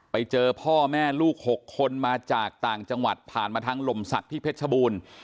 พ่อแม่ลูก๖คนมาจากต่างจังหวัดผ่านมาทางลมศักดิ์ที่เพชรชบูรณ์